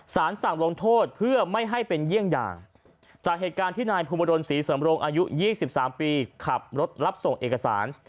สารสั่งลงโทษเพื่อไม่ให้เป็นเยี่ยงอย่างจากเหตุการณ์ที่นายภูมิบดลศรีสำรงอายุ๒๓ปีขับรถรับส่งเอกสาร